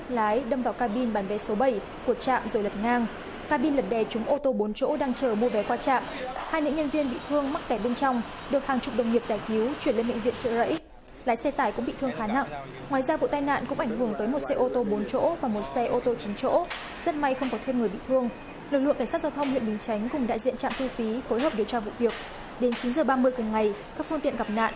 hãy đăng ký kênh để ủng hộ kênh của chúng mình nhé